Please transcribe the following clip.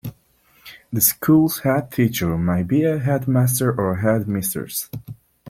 The school's headteacher may be a headmaster or a headmistress